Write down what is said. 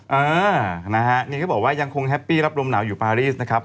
เออนะฮะนี่ก็บอกว่ายังคงแฮปปี้รับลมหนาวอยู่ปารีสนะครับ